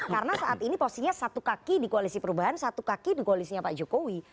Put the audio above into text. karena saat ini posisinya satu kaki di koalisi perubahan satu kaki di koalisinya pak jokowi